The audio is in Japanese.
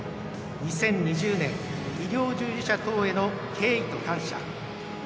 ２０２０年医療従事者等への敬意と感謝。